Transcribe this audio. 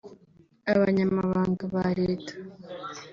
Abanyamabanga ba Leta